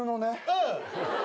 うん。